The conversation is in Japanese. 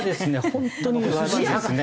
本当に少ないですね。